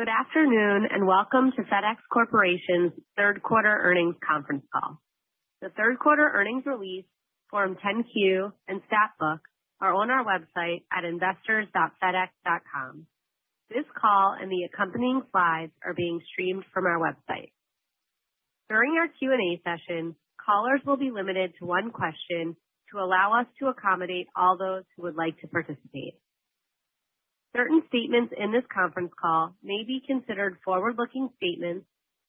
Good afternoon, and welcome to FedEx Corporation's third quarter earnings conference call. The third quarter earnings release, Form 10-Q and stat book are on our website at investors.fedex.com. This call and the accompanying slides are being streamed from our website. During our Q&A session, callers will be limited to one question to allow us to accommodate all those who would like to participate. Certain statements in this conference call may be considered forward-looking statements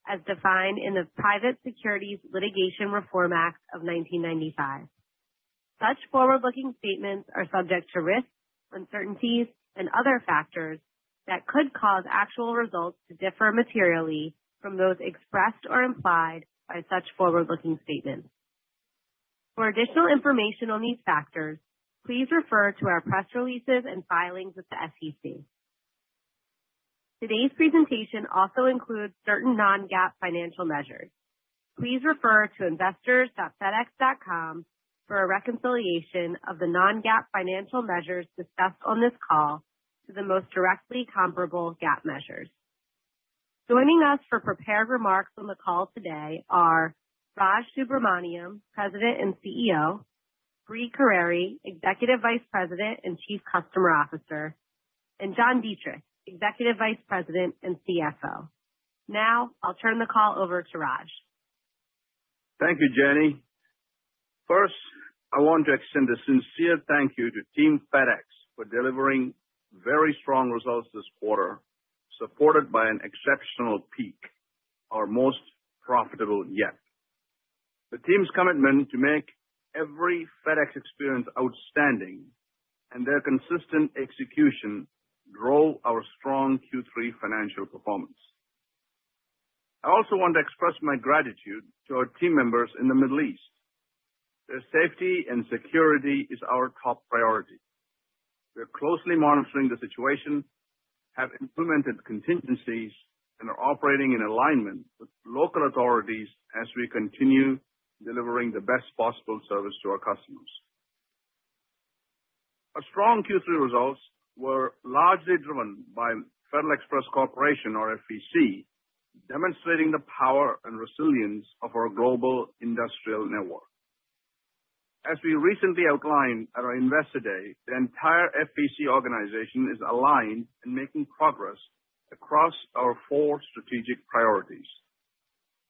as defined in the Private Securities Litigation Reform Act of 1995. Such forward-looking statements are subject to risks, uncertainties, and other factors that could cause actual results to differ materially from those expressed or implied by such forward-looking statements. For additional information on these factors, please refer to our press releases and filings with the SEC. Today's presentation also includes certain non-GAAP financial measures. Please refer to investors.fedex.com for a reconciliation of the non-GAAP financial measures discussed on this call to the most directly comparable GAAP measures. Joining us for prepared remarks on the call today are Raj Subramaniam, President and CEO, Brie Carere, Executive Vice President and Chief Customer Officer, and John Dietrich, Executive Vice President and CFO. Now, I'll turn the call over to Raj. Thank you, Jeni. First, I want to extend a sincere thank you to Team FedEx for delivering very strong results this quarter, supported by an exceptional peak, our most profitable yet. The team's commitment to make every FedEx experience outstanding and their consistent execution drove our strong Q3 financial performance. I also want to express my gratitude to our team members in the Middle East. Their safety and security is our top priority. We are closely monitoring the situation, have implemented contingencies, and are operating in alignment with local authorities as we continue delivering the best possible service to our customers. Our strong Q3 results were largely driven by Federal Express Corporation, or FEC, demonstrating the power and resilience of our global industrial network. As we recently outlined at our Investor Day, the entire FEC organization is aligned in making progress across our four strategic priorities.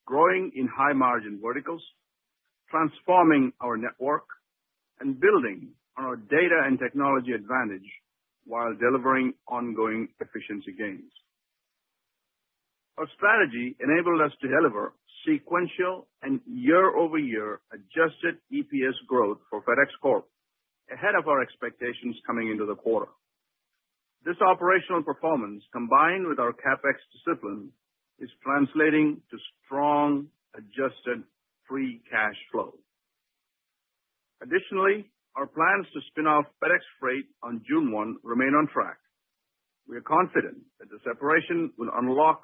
Growing in high-margin verticals, transforming our network, and building on our data and technology advantage while delivering ongoing efficiency gains. Our strategy enabled us to deliver sequential and year-over-year adjusted EPS growth for FedEx Corp, ahead of our expectations coming into the quarter. This operational performance, combined with our CapEx discipline, is translating to strong adjusted free cash flow. Additionally, our plans to spin off FedEx Freight on June 1 remain on track. We are confident that the separation will unlock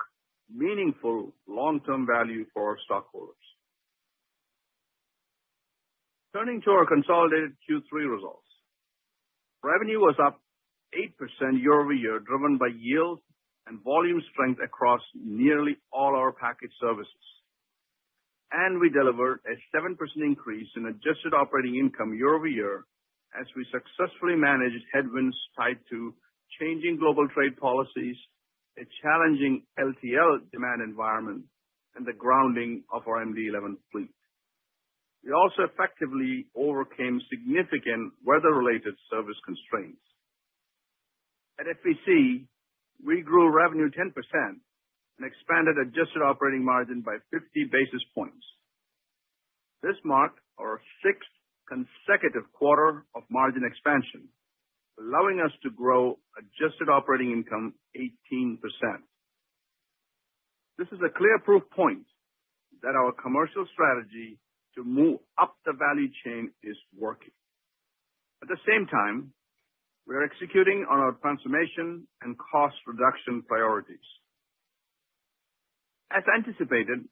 meaningful long-term value for our stockholders. Turning to our consolidated Q3 results. Revenue was up 8% year-over-year, driven by yield and volume strength across nearly all our package services. We delivered a 7% increase in adjusted operating income year-over-year as we successfully managed headwinds tied to changing global trade policies, a challenging LTL demand environment, and the grounding of our MD-11 fleet. We also effectively overcame significant weather-related service constraints. At FEC, we grew revenue 10% and expanded adjusted operating margin by 50 basis points. This marked our sixth consecutive quarter of margin expansion, allowing us to grow adjusted operating income 18%. This is a clear proof point that our commercial strategy to move up the value chain is working. At the same time, we are executing on our transformation and cost reduction priorities. As anticipated,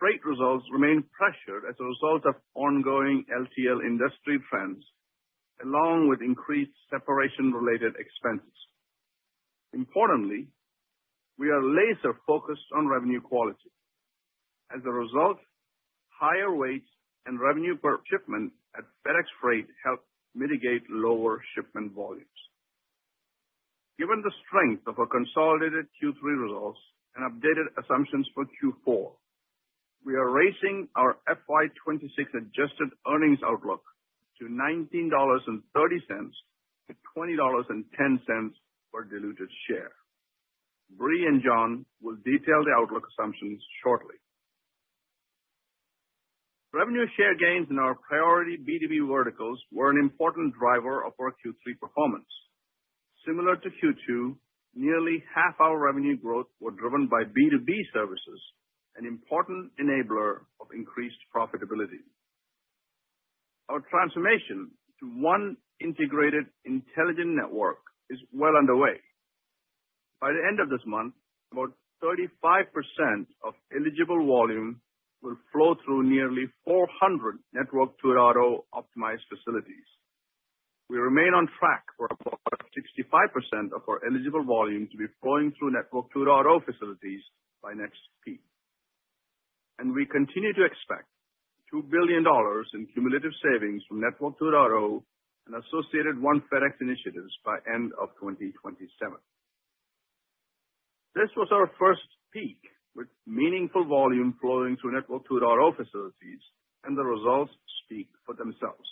freight results remain pressured as a result of ongoing LTL industry trends, along with increased separation-related expenses. Importantly, we are laser-focused on revenue quality. As a result, higher rates and revenue per shipment at FedEx Freight helped mitigate lower shipment volumes. Given the strength of our consolidated Q3 results and updated assumptions for Q4, we are raising our FY 2026 adjusted earnings outlook to $19.30-$20.10 per diluted share. Brie and John will detail the outlook assumptions shortly. Revenue share gains in our priority B2B verticals were an important driver of our Q3 performance. Similar to Q2, nearly half our revenue growth were driven by B2B services, an important enabler of increased profitability. Our transformation to one integrated intelligent network is well underway. By the end of this month, about 35% of eligible volume will flow through nearly 400 Network 2.0 optimized facilities. We remain on track for about 65% of our eligible volume to be flowing through Network 2.0 facilities by next peak. We continue to expect $2 billion in cumulative savings from Network 2.0 and associated One FedEx initiatives by end of 2027. This was our first peak with meaningful volume flowing through Network 2.0 facilities, and the results speak for themselves.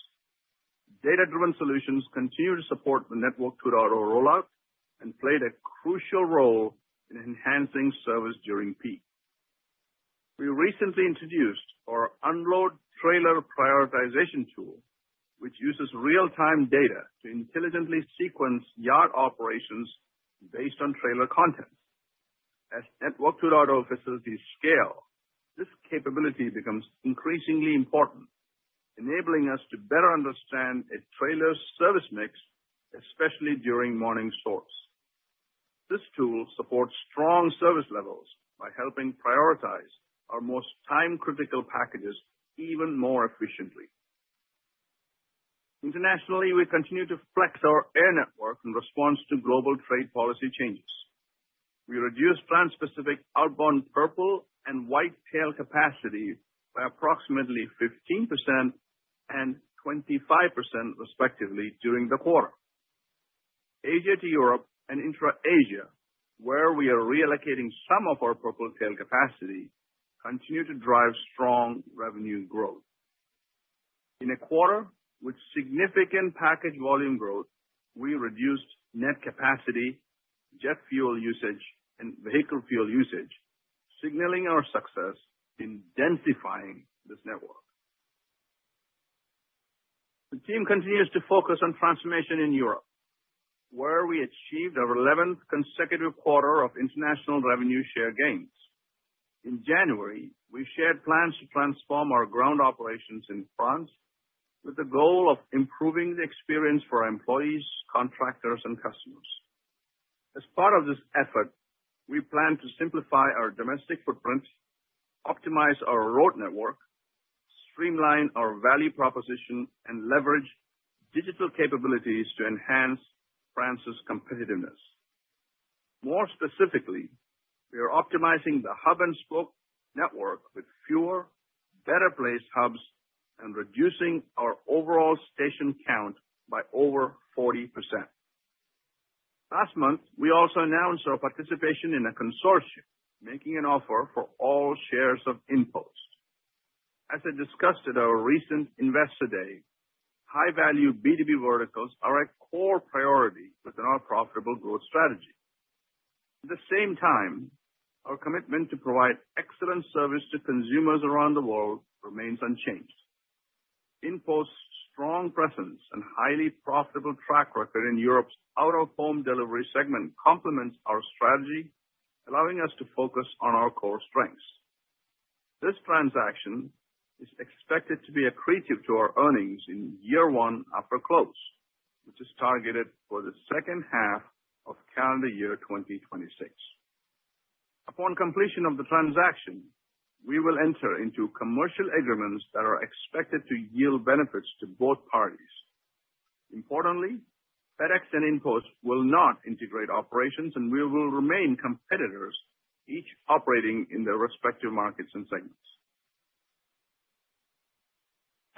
Data-driven solutions continue to support the Network 2.0 rollout and played a crucial role in enhancing service during peak. We recently introduced our unload trailer prioritization tool, which uses real-time data to intelligently sequence yard operations based on trailer content. As Network 2.0 facilities scale, this capability becomes increasingly important, enabling us to better understand a trailer's service mix, especially during morning sorts. This tool supports strong service levels by helping prioritize our most time-critical packages even more efficiently. Internationally, we continue to flex our air network in response to global trade policy changes. We reduced trans-Pacific outbound purple and white tail capacity by approximately 15% and 25%, respectively, during the quarter. Asia to Europe and intra-Asia, where we are reallocating some of our purple tail capacity, continue to drive strong revenue growth. In a quarter with significant package volume growth, we reduced net capacity, jet fuel usage, and vehicle fuel usage, signaling our success in densifying this network. The team continues to focus on transformation in Europe, where we achieved our 11th consecutive quarter of international revenue share gains. In January, we shared plans to transform our ground operations in France with the goal of improving the experience for our employees, contractors, and customers. As part of this effort, we plan to simplify our domestic footprint, optimize our road network, streamline our value proposition, and leverage digital capabilities to enhance France's competitiveness. More specifically, we are optimizing the hub and spoke network with fewer, better placed hubs and reducing our overall station count by over 40%. Last month, we also announced our participation in a consortium making an offer for all shares of InPost. As I discussed at our recent Investor Day, high-value B2B verticals are a core priority within our profitable growth strategy. At the same time, our commitment to provide excellent service to consumers around the world remains unchanged. InPost's strong presence and highly profitable track record in Europe's out-of-home delivery segment complements our strategy, allowing us to focus on our core strengths. This transaction is expected to be accretive to our earnings in year one after close, which is targeted for the second half of calendar year 2026. Upon completion of the transaction, we will enter into commercial agreements that are expected to yield benefits to both parties. Importantly, FedEx and InPost will not integrate operations, and we will remain competitors, each operating in their respective markets and segments.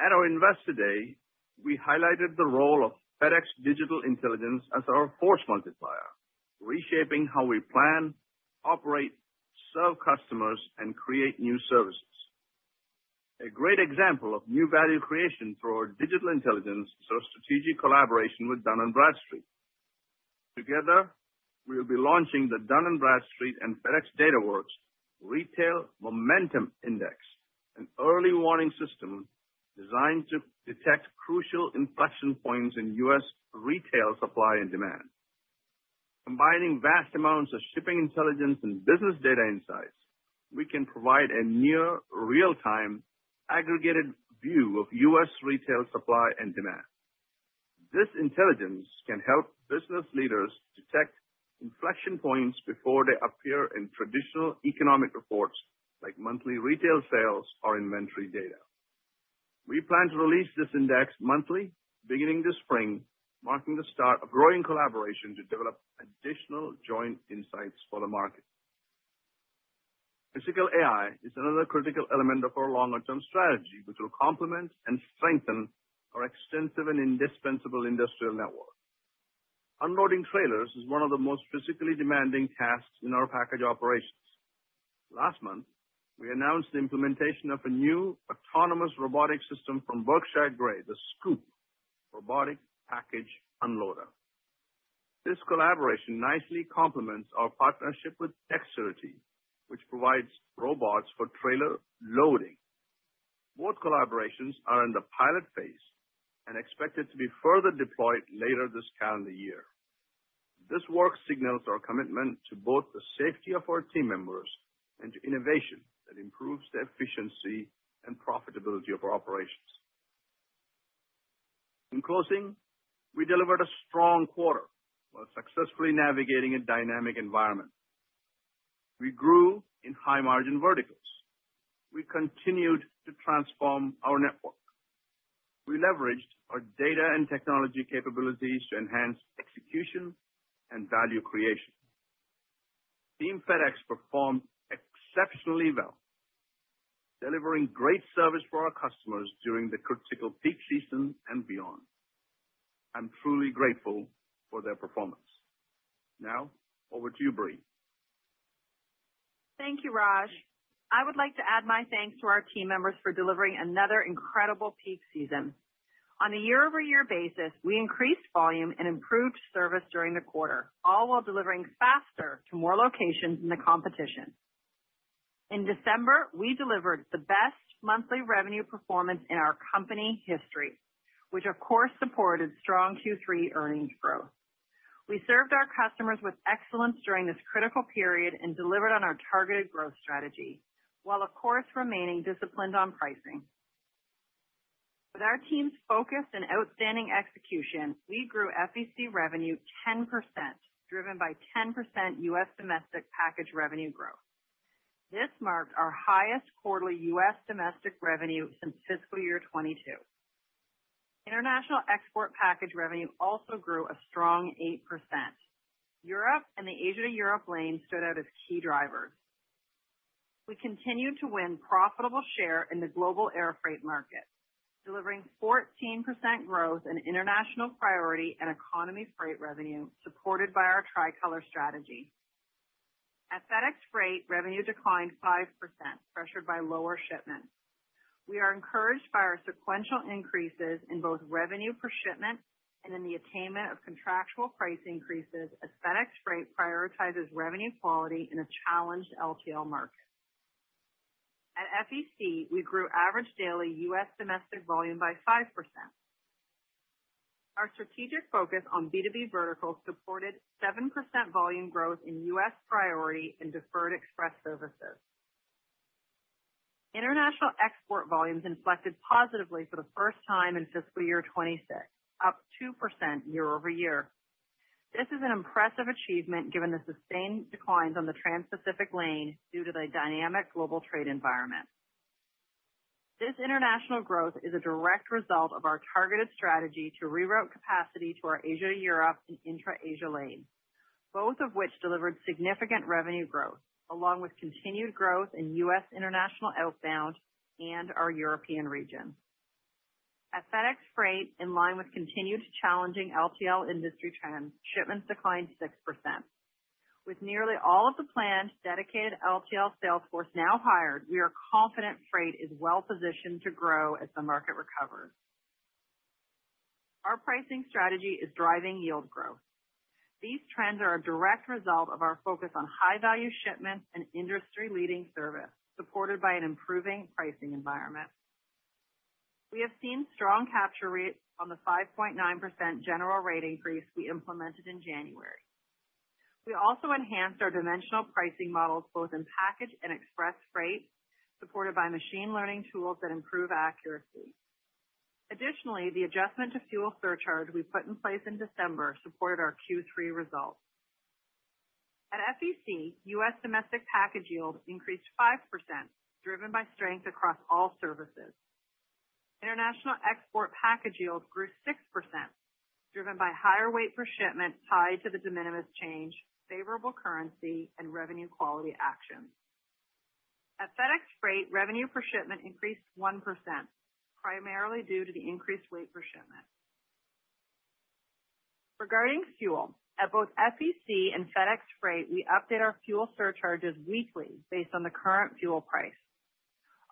At our Investor Day, we highlighted the role of FedEx Digital Intelligence as our force multiplier, reshaping how we plan, operate, serve customers, and create new services. A great example of new value creation for our Digital Intelligence is our strategic collaboration with Dun & Bradstreet. Together, we'll be launching the Dun & Bradstreet and FedEx Dataworks Retail Momentum Index, an early warning system designed to detect crucial inflection points in U.S. retail supply and demand. Combining vast amounts of shipping intelligence and business data insights, we can provide a near real-time aggregated view of U.S. retail supply and demand. This intelligence can help business leaders detect inflection points before they appear in traditional economic reports, like monthly retail sales or inventory data. We plan to release this index monthly beginning this spring, marking the start of growing collaboration to develop additional joint insights for the market. Physical AI is another critical element of our longer-term strategy, which will complement and strengthen our extensive and indispensable industrial network. Unloading trailers is one of the most physically demanding tasks in our package operations. Last month, we announced the implementation of a new autonomous robotic system from Berkshire Grey, the Scoop robotic package unloader. This collaboration nicely complements our partnership with Dexterity, which provides robots for trailer loading. Both collaborations are in the pilot phase and expected to be further deployed later this calendar year. This work signals our commitment to both the safety of our team members and to innovation that improves the efficiency and profitability of our operations. In closing, we delivered a strong quarter while successfully navigating a dynamic environment. We grew in high-margin verticals. We continued to transform our network. We leveraged our data and technology capabilities to enhance execution and value creation. Team FedEx performed exceptionally well, delivering great service for our customers during the critical peak season and beyond. I'm truly grateful for their performance. Now over to you, Brie. Thank you, Raj. I would like to add my thanks to our team members for delivering another incredible peak season. On a year-over-year basis, we increased volume and improved service during the quarter, all while delivering faster to more locations than the competition. In December, we delivered the best monthly revenue performance in our company history, which of course, supported strong Q3 earnings growth. We served our customers with excellence during this critical period and delivered on our targeted growth strategy, while of course remaining disciplined on pricing. With our team's focus and outstanding execution, we grew FEC revenue 10%, driven by 10% U.S. domestic package revenue growth. This marked our highest quarterly U.S. domestic revenue since fiscal year 2022. International export package revenue also grew a strong 8%. Europe and the Asia to Europe lane stood out as key drivers. We continued to win profitable share in the global air freight market, delivering 14% growth in international priority and economy freight revenue, supported by our Tricolor strategy. At FedEx Freight, revenue declined 5%, pressured by lower shipments. We are encouraged by our sequential increases in both revenue per shipment and in the attainment of contractual price increases as FedEx Freight prioritizes revenue quality in a challenged LTL market. At FEC, we grew average daily U.S. domestic volume by 5%. Our strategic focus on B2B verticals supported 7% volume growth in U.S. Priority and Deferred Express services. International export volumes inflected positively for the first time in fiscal year 2026, up 2% year-over-year. This is an impressive achievement given the sustained declines on the Transpacific lane due to the dynamic global trade environment. This international growth is a direct result of our targeted strategy to reroute capacity to our Asia to Europe and Intra-Asia lane, both of which delivered significant revenue growth, along with continued growth in U.S. international outbound and our European region. At FedEx Freight, in line with continued challenging LTL industry trends, shipments declined 6%. With nearly all of the planned dedicated LTL sales force now hired, we are confident Freight is well positioned to grow as the market recovers. Our pricing strategy is driving yield growth. These trends are a direct result of our focus on high-value shipments and industry-leading service, supported by an improving pricing environment. We have seen strong capture rates on the 5.9% general rate increase we implemented in January. We also enhanced our dimensional pricing models both in package and express freight, supported by machine learning tools that improve accuracy. Additionally, the adjustment to fuel surcharge we put in place in December supported our Q3 results. At FEC, U.S. domestic package yield increased 5%, driven by strength across all services. International export package yield grew 6%, driven by higher weight per shipment tied to the de minimis change, favorable currency, and revenue quality actions. At FedEx Freight, revenue per shipment increased 1%, primarily due to the increased weight per shipment. Regarding fuel, at both FEC and FedEx Freight, we update our fuel surcharges weekly based on the current fuel price.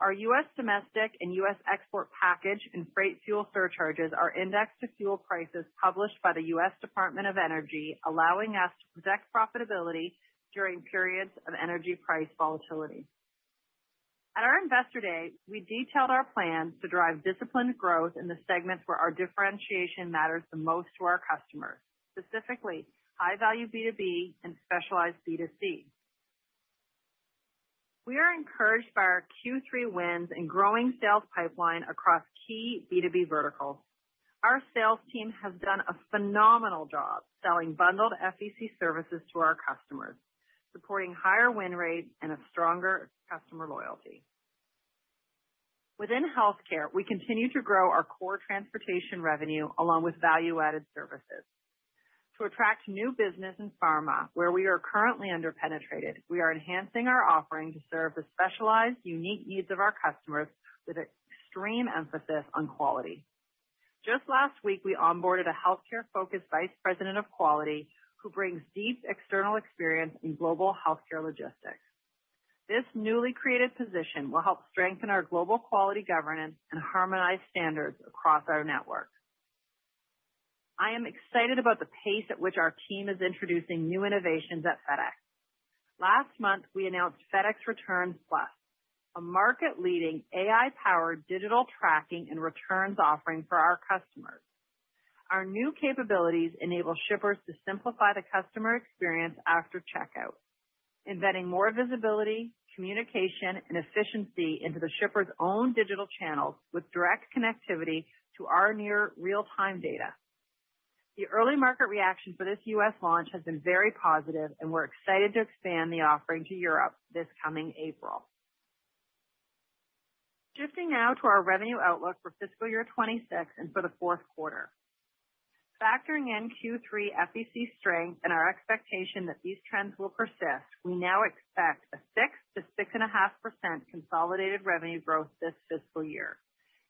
Our U.S. domestic and U.S. export package and freight fuel surcharges are indexed to fuel prices published by the U.S. Department of Energy, allowing us to protect profitability during periods of energy price volatility. At our Investor Day, we detailed our plans to drive disciplined growth in the segments where our differentiation matters the most to our customers, specifically high-value B2B and specialized B2C. We are encouraged by our Q3 wins and growing sales pipeline across key B2B verticals. Our sales team has done a phenomenal job selling bundled FEC services to our customers, supporting higher win rates and a stronger customer loyalty. Within healthcare, we continue to grow our core transportation revenue along with value-added services. To attract new business in pharma, where we are currently under-penetrated, we are enhancing our offering to serve the specialized, unique needs of our customers with extreme emphasis on quality. Just last week, we onboarded a healthcare-focused vice president of quality who brings deep external experience in global healthcare logistics. This newly created position will help strengthen our global quality governance and harmonize standards across our network. I am excited about the pace at which our team is introducing new innovations at FedEx. Last month, we announced FedEx Returns Plus, a market-leading AI-powered digital tracking and returns offering for our customers. Our new capabilities enable shippers to simplify the customer experience after checkout, embedding more visibility, communication, and efficiency into the shipper's own digital channels with direct connectivity to our near real-time data. The early market reaction for this U.S. launch has been very positive, and we're excited to expand the offering to Europe this coming April. Shifting now to our revenue outlook for fiscal year 2026 and for the fourth quarter. Factoring in Q3 FEC strength and our expectation that these trends will persist, we now expect a 6%-6.5% consolidated revenue growth this fiscal year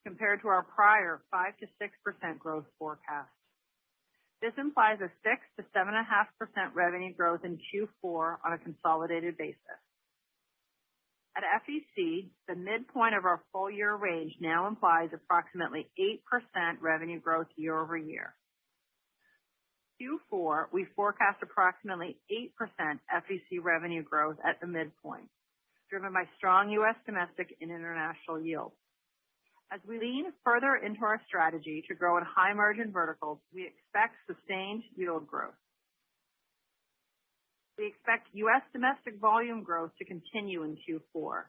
compared to our prior 5%-6% growth forecast. This implies a 6%-7.5% revenue growth in Q4 on a consolidated basis. At FEC, the midpoint of our full-year range now implies approximately 8% revenue growth year-over-year. Q4, we forecast approximately 8% FEC revenue growth at the midpoint, driven by strong U.S. domestic and international yields. As we lean further into our strategy to grow in high-margin verticals, we expect sustained yield growth. We expect U.S. domestic volume growth to continue in Q4.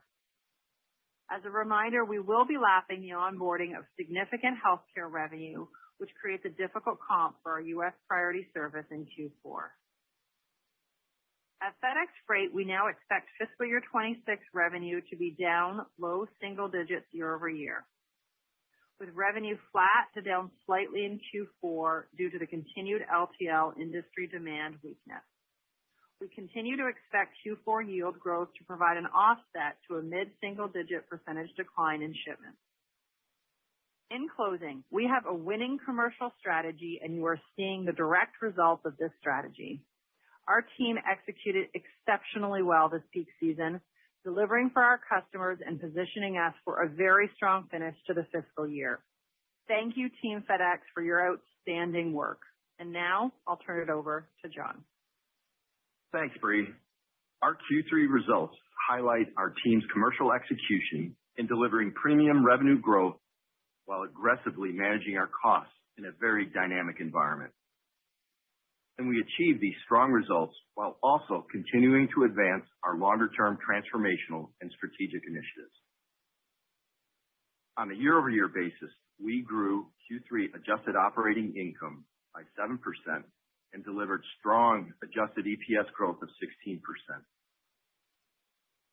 As a reminder, we will be lapping the onboarding of significant healthcare revenue, which creates a difficult comp for our U.S. priority service in Q4. At FedEx Freight, we now expect fiscal year 2026 revenue to be down low single digits year-over-year, with revenue flat to down slightly in Q4 due to the continued LTL industry demand weakness. We continue to expect Q4 yield growth to provide an offset to a mid-single-digit percentage decline in shipments. In closing, we have a winning commercial strategy, and you are seeing the direct results of this strategy. Our team executed exceptionally well this peak season, delivering for our customers and positioning us for a very strong finish to the fiscal year. Thank you, team FedEx, for your outstanding work. Now I'll turn it over to John. Thanks, Brie. Our Q3 results highlight our team's commercial execution in delivering premium revenue growth while aggressively managing our costs in a very dynamic environment. We achieved these strong results while also continuing to advance our longer-term transformational and strategic initiatives. On a year-over-year basis, we grew Q3 adjusted operating income by 7% and delivered strong adjusted EPS growth of 16%.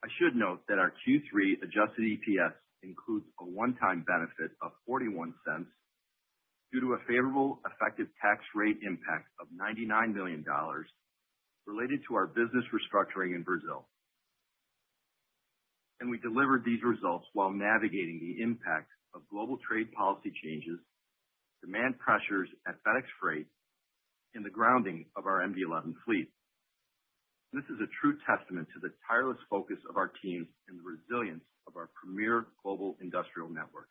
I should note that our Q3 adjusted EPS includes a one-time benefit of $0.41 due to a favorable effective tax rate impact of $99 million related to our business restructuring in Brazil. We delivered these results while navigating the impacts of global trade policy changes, demand pressures at FedEx Freight, and the grounding of our MD-11 fleet. This is a true testament to the tireless focus of our team and the resilience of our premier global industrial network.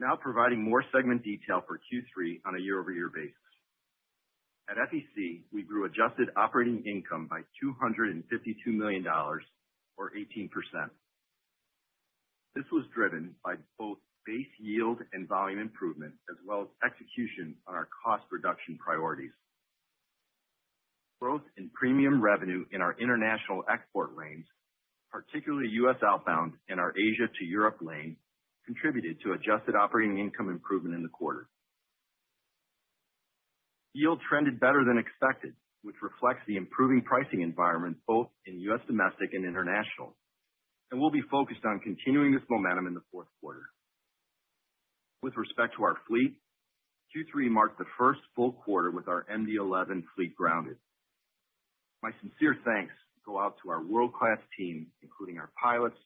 Now providing more segment detail for Q3 on a year-over-year basis. At FEC, we grew adjusted operating income by $252 million, or 18%. This was driven by both base yield and volume improvement, as well as execution on our cost reduction priorities. Growth in premium revenue in our international export lanes, particularly U.S. outbound and our Asia to Europe lane, contributed to adjusted operating income improvement in the quarter. Yield trended better than expected, which reflects the improving pricing environment both in U.S. domestic and international, and we'll be focused on continuing this momentum in the fourth quarter. With respect to our fleet, Q3 marked the first full quarter with our MD-11 fleet grounded. My sincere thanks go out to our world-class team, including our pilots,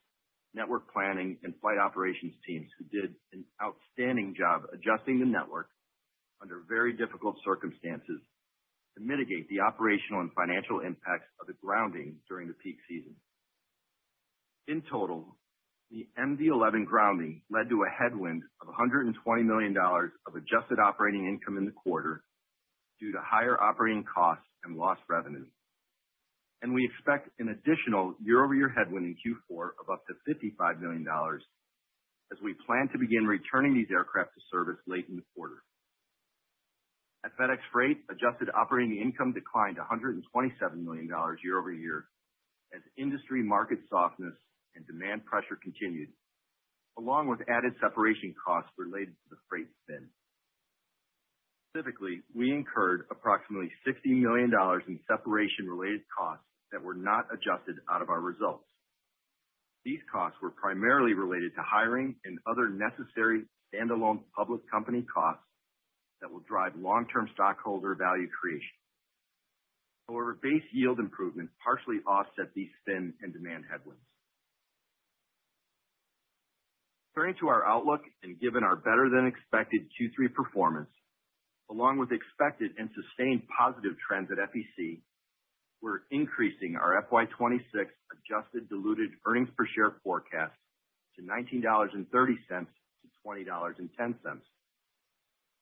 network planning, and flight operations teams, who did an outstanding job adjusting the network under very difficult circumstances to mitigate the operational and financial impacts of the grounding during the peak season. In total, the MD-11 grounding led to a headwind of $120 million of adjusted operating income in the quarter due to higher operating costs and lost revenue. We expect an additional year-over-year headwind in Q4 of up to $55 million as we plan to begin returning these aircraft to service late in the quarter. At FedEx Freight, adjusted operating income declined $127 million year-over-year as industry market softness and demand pressure continued, along with added separation costs related to the Freight spin. Specifically, we incurred approximately $60 million in separation-related costs that were not adjusted out of our results. These costs were primarily related to hiring and other necessary standalone public company costs that will drive long-term stockholder value creation. However, base yield improvements partially offset these spin and demand headwinds. Turning to our outlook and given our better-than-expected Q3 performance, along with expected and sustained positive trends at FEC, we're increasing our FY 2026 adjusted diluted earnings per share forecast to $19.30-$20.10.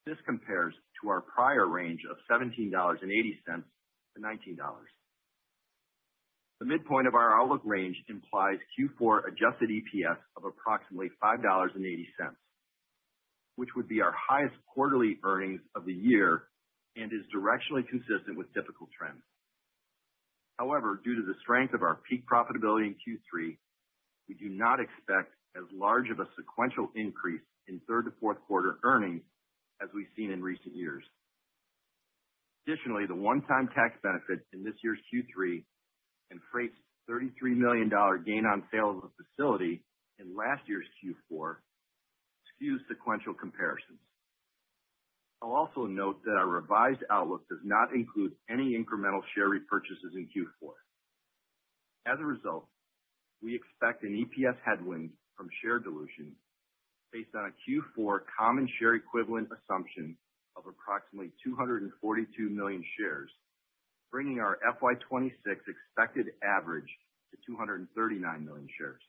This compares to our prior range of $17.80-$19. The midpoint of our outlook range implies Q4 adjusted EPS of approximately $5.80, which would be our highest quarterly earnings of the year and is directionally consistent with typical trends. However, due to the strength of our peak profitability in Q3, we do not expect as large of a sequential increase in third to fourth quarter earnings as we've seen in recent years. Additionally, the one-time tax benefit in this year's Q3 and Freight's $33 million gain on sale of a facility in last year's Q4 skew sequential comparisons. I'll also note that our revised outlook does not include any incremental share repurchases in Q4. As a result, we expect an EPS headwind from share dilution based on a Q4 common share equivalent assumption of approximately 242 million shares, bringing our FY 2026 expected average to 239 million shares.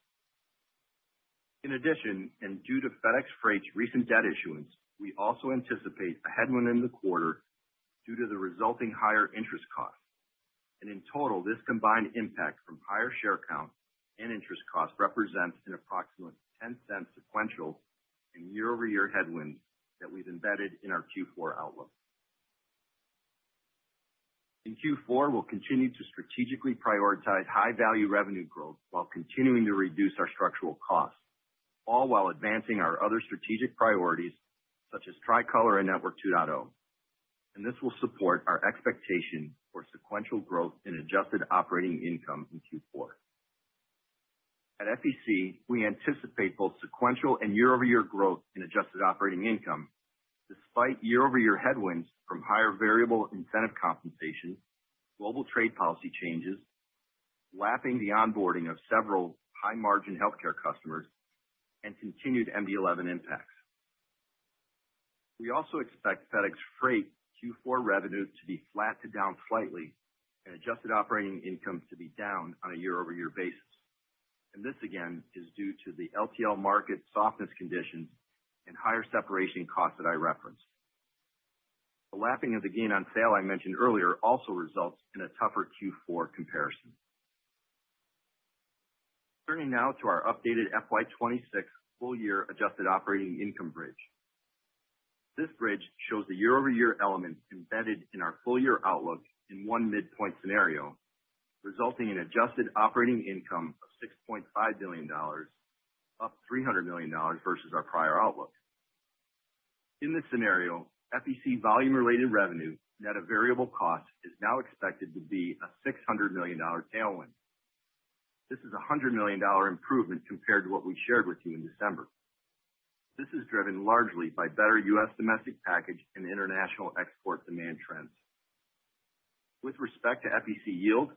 In addition, and due to FedEx Freight's recent debt issuance, we also anticipate a headwind in the quarter due to the resulting higher interest costs. In total, this combined impact from higher share count and interest costs represents an approximate $0.10 sequential and year-over-year headwind that we've embedded in our Q4 outlook. In Q4, we'll continue to strategically prioritize high-value revenue growth while continuing to reduce our structural costs, all while advancing our other strategic priorities such as Tricolor and Network 2.0. This will support our expectation for sequential growth in adjusted operating income in Q4. At FEC, we anticipate both sequential and year-over-year growth in adjusted operating income despite year-over-year headwinds from higher variable incentive compensation, global trade policy changes, lapping the onboarding of several high-margin healthcare customers, and continued MD-11 impacts. We also expect FedEx Freight Q4 revenue to be flat to down slightly and adjusted operating income to be down on a year-over-year basis. This again is due to the LTL market softness conditions and higher separation costs that I referenced. The lapping of the gain on sale I mentioned earlier also results in a tougher Q4 comparison. Turning now to our updated FY 2026 full-year adjusted operating income bridge. This bridge shows the year-over-year elements embedded in our full-year outlook in one midpoint scenario, resulting in adjusted operating income of $6.5 billion, up $300 million versus our prior outlook. In this scenario, FEC volume-related revenue net of variable cost is now expected to be a $600 million tailwind. This is a $100 million improvement compared to what we shared with you in December. This is driven largely by better U.S. domestic package and international export demand trends. With respect to FEC yield,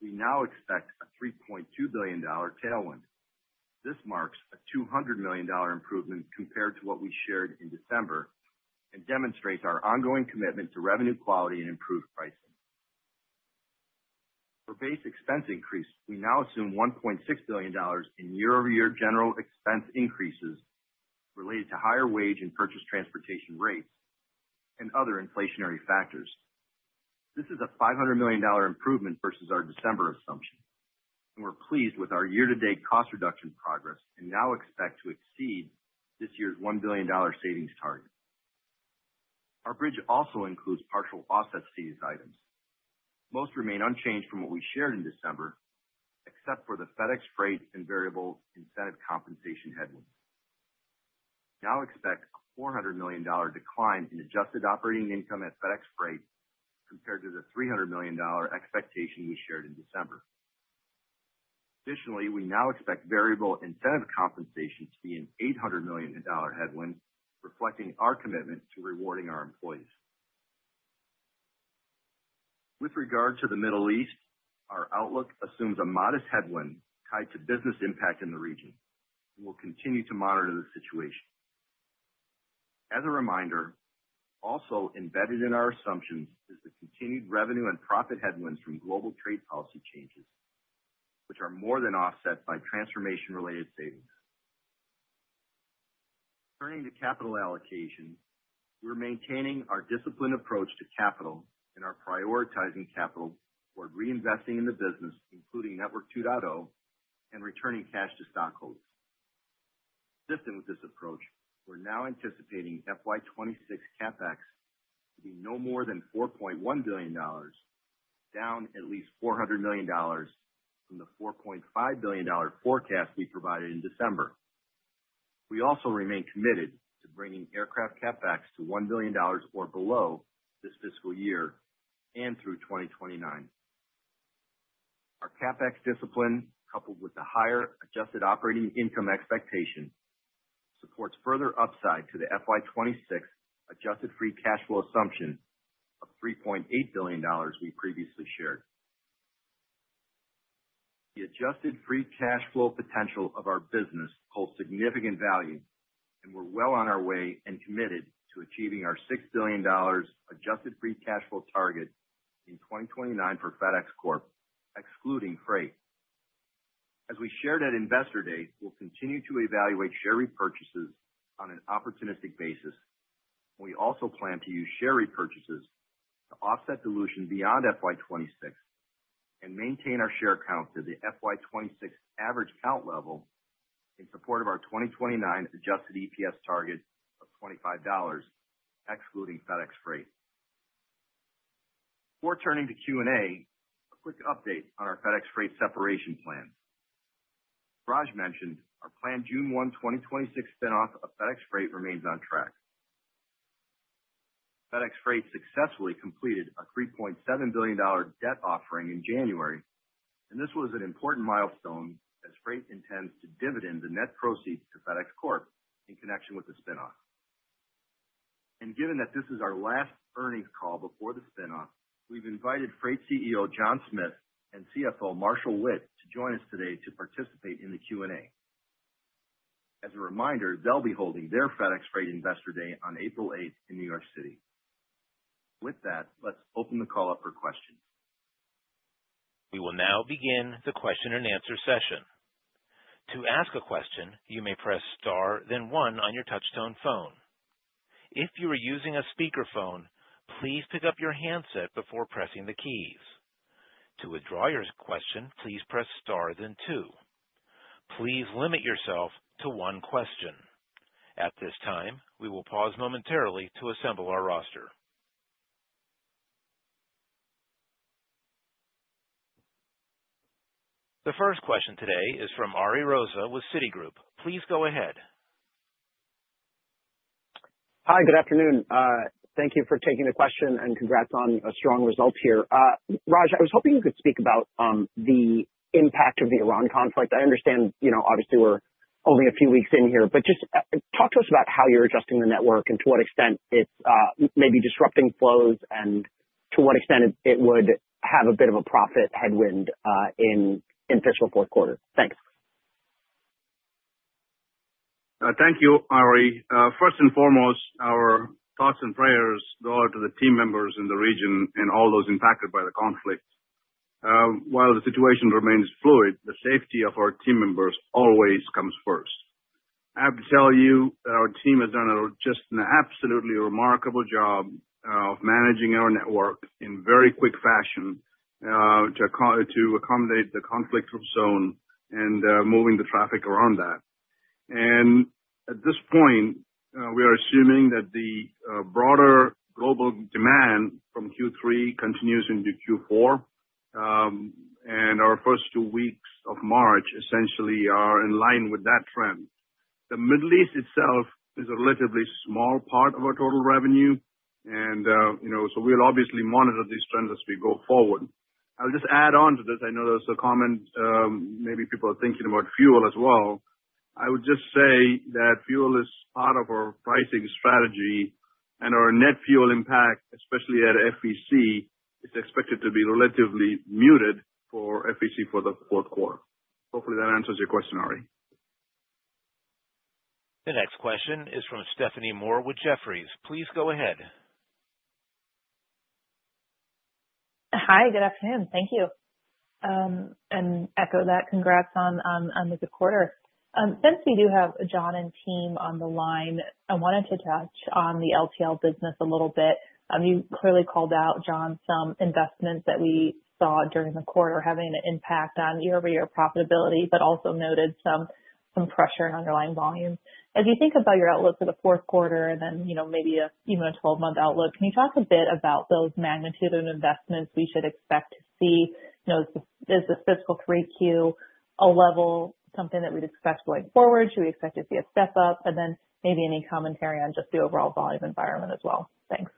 we now expect a $3.2 billion tailwind. This marks a $200 million improvement compared to what we shared in December and demonstrates our ongoing commitment to revenue quality and improved pricing. For base expense increase, we now assume $1.6 billion in year-over-year general expense increases related to higher wage and purchase transportation rates and other inflationary factors. This is a $500 million improvement versus our December assumption, and we're pleased with our year-to-date cost reduction progress and now expect to exceed this year's $1 billion savings target. Our bridge also includes partial offsets to these items. Most remain unchanged from what we shared in December except for the FedEx Freight and variable incentive compensation headwinds. Now expect a $400 million decline in adjusted operating income at FedEx Freight compared to the $300 million expectation we shared in December. Additionally, we now expect variable incentive compensation to be an $800 million headwind, reflecting our commitment to rewarding our employees. With regard to the Middle East, our outlook assumes a modest headwind tied to business impact in the region, and we'll continue to monitor the situation. As a reminder, also embedded in our assumptions is the continued revenue and profit headwinds from global trade policy changes, which are more than offset by transformation-related savings. Turning to capital allocation, we're maintaining our disciplined approach to capital and are prioritizing capital toward reinvesting in the business, including Network 2.0 and returning cash to stockholders. Consistent with this approach, we're now anticipating FY 2026 CapEx to be no more than $4.1 billion, down at least $400 million from the $4.5 billion forecast we provided in December. We also remain committed to bringing aircraft CapEx to $1 billion or below this fiscal year and through 2029. Our CapEx discipline, coupled with the higher adjusted operating income expectation, supports further upside to the FY 2026 adjusted free cash flow assumption of $3.8 billion we previously shared. The adjusted free cash flow potential of our business holds significant value, and we're well on our way and committed to achieving our $6 billion adjusted free cash flow target in 2029 for FedEx Corp, excluding Freight. As we shared at Investor Day, we'll continue to evaluate share repurchases on an opportunistic basis. We also plan to use share repurchases to offset dilution beyond FY 2026 and maintain our share count to the FY 2026 average count level. In support of our 2029 adjusted EPS target of $25, excluding FedEx Freight. Before turning to Q&A, a quick update on our FedEx Freight separation plan. Raj mentioned our planned June 1, 2026 spin off of FedEx Freight remains on track. FedEx Freight successfully completed a $3.7 billion debt offering in January, and this was an important milestone as Freight intends to dividend the net proceeds to FedEx Corp in connection with the spin off. Given that this is our last earnings call before the spin off, we've invited Freight CEO John Smith and CFO Marshall Witt to join us today to participate in the Q&A. As a reminder, they'll be holding their FedEx Freight Investor Day on April 8 in New York City. With that, let's open the call up for questions. We will now begin the question-and-answer session. To ask a question, you may press star then one on your touch-tone phone. If you are using a speakerphone, please pick up your handset before pressing the keys. To withdraw your question, please press star then two. Please limit yourself to one question. At this time, we will pause momentarily to assemble our roster. The first question today is from Ari Rosa with Citigroup. Please go ahead. Hi, good afternoon. Thank you for taking the question and congrats on a strong result here. Raj, I was hoping you could speak about the impact of the Iran conflict. I understand, you know, obviously we're only a few weeks in here, but just talk to us about how you're adjusting the network and to what extent it's maybe disrupting flows and to what extent it would have a bit of a profit headwind in fiscal fourth quarter. Thanks. Thank you, Ari. First and foremost, our thoughts and prayers go out to the team members in the region and all those impacted by the conflict. While the situation remains fluid, the safety of our team members always comes first. I have to tell you that our team has done just an absolutely remarkable job of managing our network in very quick fashion to accommodate the conflict zone and moving the traffic around that. At this point, we are assuming that the broader global demand from Q3 continues into Q4. Our first two weeks of March essentially are in line with that trend. The Middle East itself is a relatively small part of our total revenue, you know, so we'll obviously monitor these trends as we go forward. I'll just add on to this. I know there's a comment, maybe people are thinking about fuel as well. I would just say that fuel is part of our pricing strategy and our net fuel impact, especially at FEC, is expected to be relatively muted for FEC for the fourth quarter. Hopefully that answers your question, Ari. The next question is from Stephanie Moore with Jefferies. Please go ahead. Hi, good afternoon. Thank you. Echo that congrats on the good quarter. Since we do have John and team on the line, I wanted to touch on the LTL business a little bit. You clearly called out, John, some investments that we saw during the quarter having an impact on year-over-year profitability, but also noted some pressure in underlying volumes. As you think about your outlook for the fourth quarter and then, you know, maybe a, you know, a 12-month outlook, can you talk a bit about those magnitude and investments we should expect to see? You know, is the, is the fiscal 3Q a level, something that we'd expect going forward? Should we expect to see a step up? Then maybe any commentary on just the overall volume environment as well. Thanks.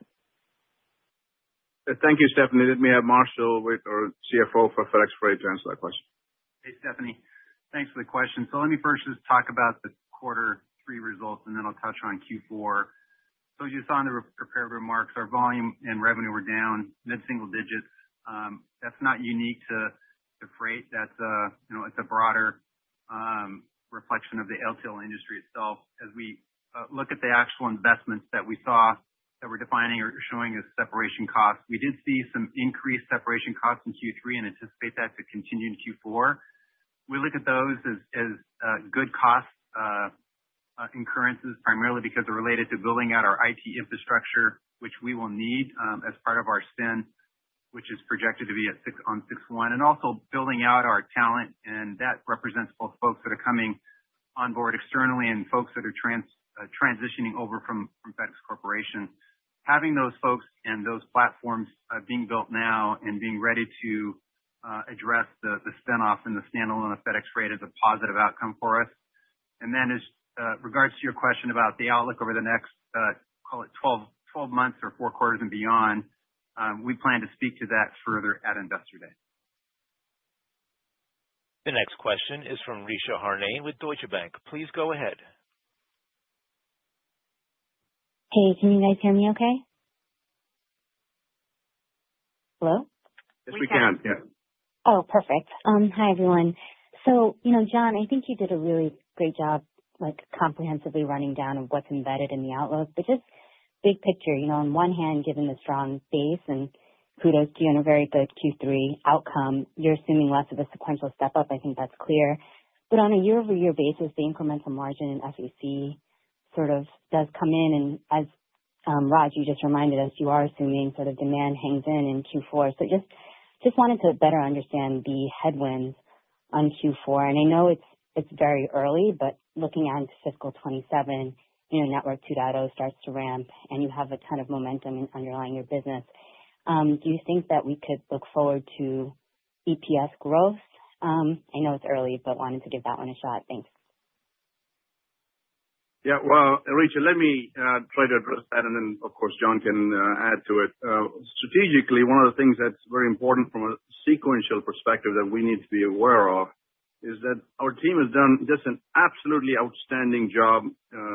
Thank you, Stephanie. Let me have Marshall Witt, our CFO for FedEx Freight, to answer that question. Hey, Stephanie. Thanks for the question. Let me first just talk about the quarter three results and then I'll touch on Q4. As you saw in the re-prepared remarks, our volume and revenue were down mid-single digits. That's not unique to Freight. That's a, you know, it's a broader reflection of the LTL industry itself. As we look at the actual investments that we saw that we're defining or showing as separation costs, we did see some increased separation costs in Q3 and anticipate that to continue in Q4. We look at those as good cost incurrences primarily because they're related to building out our IT infrastructure, which we will need as part of our spin, which is projected to be at six on June 1. Also building out our talent, and that represents both folks that are coming on board externally and folks that are transitioning over from FedEx Corporation. Having those folks and those platforms being built now and being ready to address the spin off and the standalone of FedEx Freight is a positive outcome for us. Then as regards to your question about the outlook over the next call it 12 months or four quarters and beyond, we plan to speak to that further at Investor Day. The next question is from Richa Harnain with Deutsche Bank. Please go ahead. Hey, can you guys hear me okay? Hello? Yes, we can. Yeah. Oh, perfect. Hi, everyone. You know, John, I think you did a really great job, like, comprehensively running down of what's embedded in the outlook. Just big picture, you know, on one hand, given the strong base, and kudos to you on a very good Q3 outcome, you're assuming less of a sequential step up, I think that's clear. On a year-over-year basis, the incremental margin in FCC sort of does come in and as, Raj, you just reminded us you are assuming sort of demand hangs in Q4. Just wanted to better understand the headwinds on Q4. I know it's very early, but looking on fiscal year 2027, you know, Network 2.0 starts to ramp, and you have a ton of momentum underlying your business. Do you think that we could look forward to EPS growth? I know it's early, but wanted to give that one a shot. Thanks. Yeah. Well, Richa, let me try to address that, and then of course, John can add to it. Strategically, one of the things that's very important from a sequential perspective that we need to be aware of is that our team has done just an absolutely outstanding job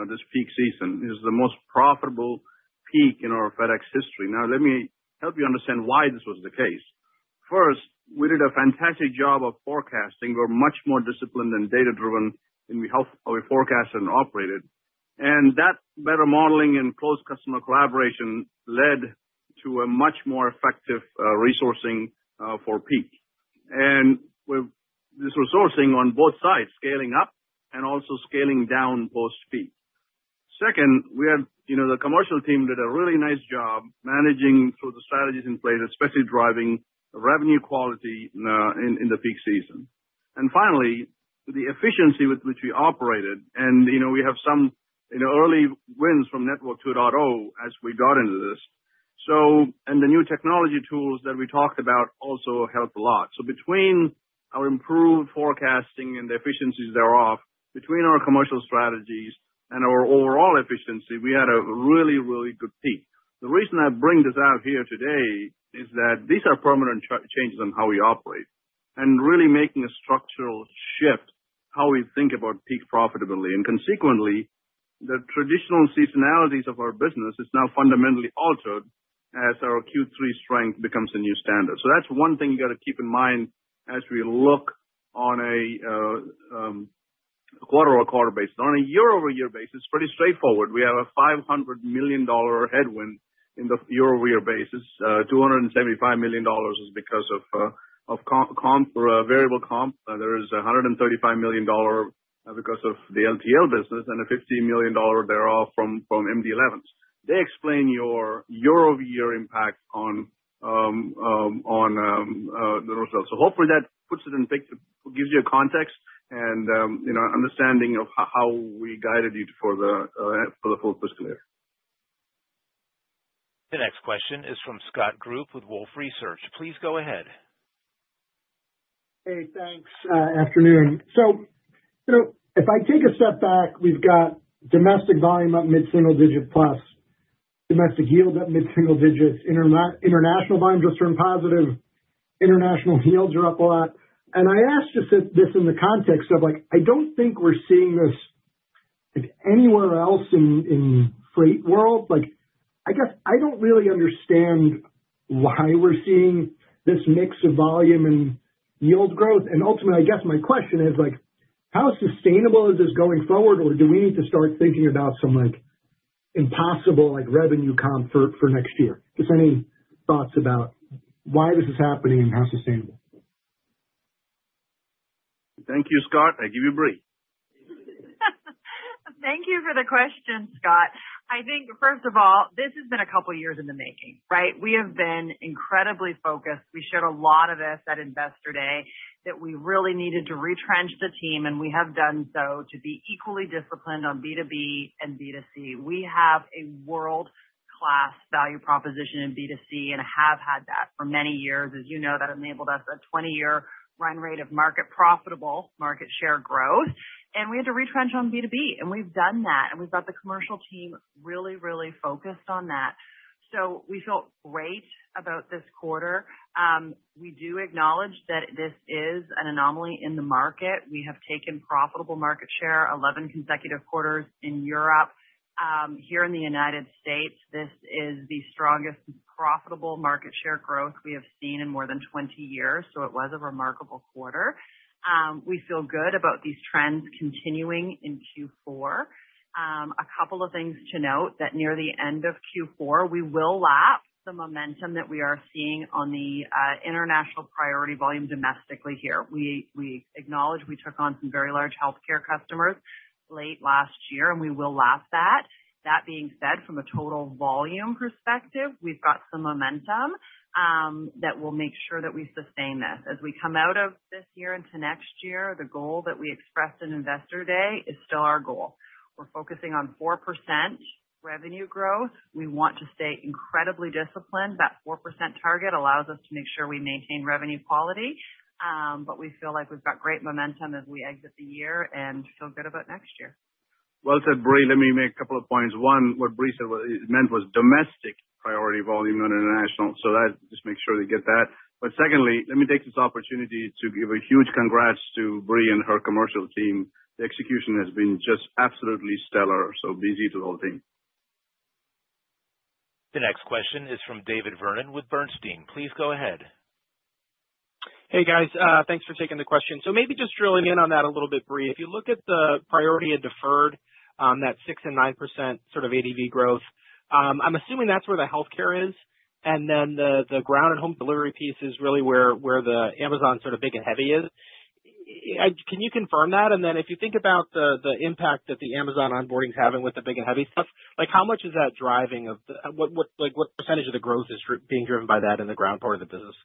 this peak season. It is the most profitable peak in our FedEx history. Now, let me help you understand why this was the case. First, we did a fantastic job of forecasting. We're much more disciplined and data-driven in how we forecast and operated. That better modeling and close customer collaboration led to a much more effective resourcing for peak. With this resourcing on both sides, scaling up and also scaling down post-peak. Second, we have, you know, the commercial team did a really nice job managing through the strategies in place, especially driving revenue quality in the peak season. Finally, the efficiency with which we operated. You know, we have some, you know, early wins from Network 2.0 as we got into this. The new technology tools that we talked about also helped a lot. Between our improved forecasting and the efficiencies thereof, between our commercial strategies and our overall efficiency, we had a really, really good peak. The reason I bring this out here today is that these are permanent changes on how we operate and really making a structural shift how we think about peak profitability. Consequently, the traditional seasonalities of our business is now fundamentally altered as our Q3 strength becomes the new standard. That's one thing you gotta keep in mind as we look on a quarter-over-quarter basis. On a year-over-year basis, pretty straightforward. We have a $500 million headwind in the year-over-year basis. $275 million is because of variable comp. There is a $135 million because of the LTL business and a $50 million thereof from MD-11s. They explain your year-over-year impact on the results. Hopefully that gives you a context and you know, understanding of how we guided you for the full fiscal year. The next question is from Scott Group with Wolfe Research. Please go ahead. Hey, thanks. Afternoon. You know, if I take a step back, we've got domestic volume up mid-single-digit plus. Domestic yield up mid-single digits. International volumes just turned positive. International yields are up a lot. I ask this in the context of, like, I don't think we're seeing this, like, anywhere else in freight world. Like, I guess I don't really understand why we're seeing this mix of volume and yield growth. Ultimately, I guess my question is, like, how sustainable is this going forward? Or do we need to start thinking about some, like, impossible, like, revenue comp for next year? Just any thoughts about why this is happening and how sustainable. Thank you, Scott. I give you Brie. Thank you for the question, Scott. I think first of all, this has been a couple years in the making, right? We have been incredibly focused. We showed a lot of this at Investor Day, that we really needed to retrench the team, and we have done so to be equally disciplined on B2B and B2C. We have a world-class value proposition in B2C and have had that for many years. As you know, that enabled us a 20-year run rate of market profitable market share growth. We had to retrench on B2B, and we've done that. We've got the commercial team really, really focused on that. We felt great about this quarter. We do acknowledge that this is an anomaly in the market. We have taken profitable market share 11 consecutive quarters in Europe. Here in the United States, this is the strongest profitable market share growth we have seen in more than 20 years. It was a remarkable quarter. We feel good about these trends continuing in Q4. A couple of things to note, that near the end of Q4, we will lap the momentum that we are seeing on the international priority volume domestically here. We acknowledge we took on some very large healthcare customers late last year, and we will lap that. That being said, from a total volume perspective, we've got some momentum that will make sure that we sustain this. As we come out of this year into next year, the goal that we expressed in Investor Day is still our goal. We're focusing on 4% revenue growth. We want to stay incredibly disciplined. That 4% target allows us to make sure we maintain revenue quality. We feel like we've got great momentum as we exit the year and feel good about next year. Well said, Brie. Let me make a couple of points. One, what Brie said meant was domestic priority volume, not international. That, just make sure to get that. Secondly, let me take this opportunity to give a huge congrats to Brie and her commercial team. The execution has been just absolutely stellar. Big kudos to the whole team. The next question is from David Vernon with Bernstein. Please go ahead. Hey, guys. Thanks for taking the question. Maybe just drilling in on that a little bit, Brie. If you look at the priority and deferred, that 6% and 9% sort of ADV growth, I'm assuming that's where the healthcare is, and then the ground and home delivery piece is really where the Amazon sort of big and heavy is. Yeah, can you confirm that? If you think about the impact that the Amazon onboarding is having with the big and heavy stuff, like what percentage of the growth is being driven by that in the Ground part of the business?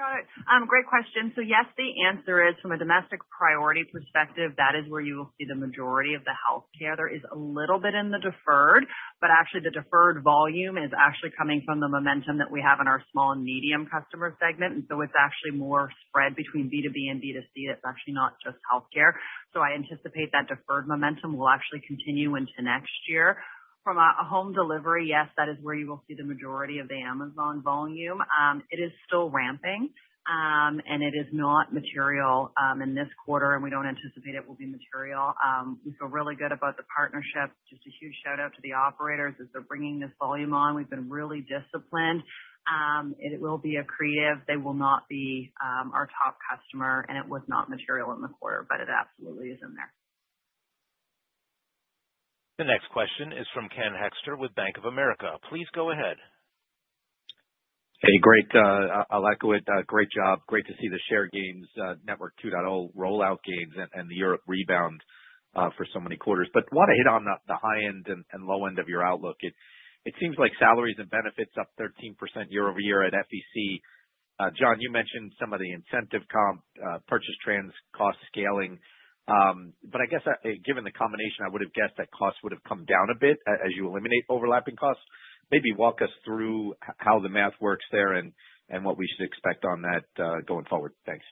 Scott, great question. Yes, the answer is from a domestic priority perspective, that is where you will see the majority of the healthcare. There is a little bit in the deferred, but actually the deferred volume is actually coming from the momentum that we have in our small and medium customer segment. It's actually more spread between B2B and B2C. It's actually not just healthcare. I anticipate that deferred momentum will actually continue into next year. From a home delivery, yes, that is where you will see the majority of the Amazon volume. It is still ramping, and it is not material in this quarter, and we don't anticipate it will be material. We feel really good about the partnership. Just a huge shout-out to the operators as they're bringing this volume on. We've been really disciplined. It will be accretive. They will not be our top customer, and it was not material in the quarter, but it absolutely is in there. The next question is from Ken Hoexter with Bank of America. Please go ahead. Hey, great. I echo, great job. Great to see the share gains, Network 2.0 rollout gains and the Europe rebound for so many quarters. Wanna hit on the high end and low end of your outlook. It seems like salaries and benefits up 13% year-over-year at FEC. John, you mentioned some of the incentive comp, purchase transaction cost scaling. I guess, given the combination, I would have guessed that costs would have come down a bit as you eliminate overlapping costs. Maybe walk us through how the math works there and what we should expect on that going forward. Thanks.